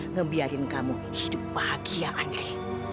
ngebiarin kamu hidup bahagia aneh